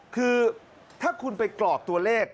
คือถ้าคุณไปกรอกตัวเลข